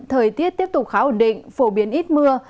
thời tiết tiếp tục khá ổn định phổ biến ít mưa